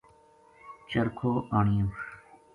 چرکھو آنیو